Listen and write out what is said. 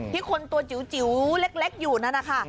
ที่คนตัวจิ๋วเล็กอยู่นะค่ะ